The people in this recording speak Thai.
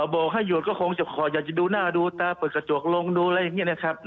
บอกให้หยุดก็คงจะขออยากจะดูหน้าดูตาเปิดกระจกลงดูอะไรอย่างนี้นะครับ